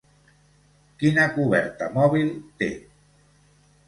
Quina cobertura mòbil té?